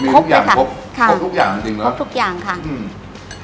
มีทุกอย่างครับครับครับทุกอย่างจริงจริงเนอะครับทุกอย่างค่ะอืม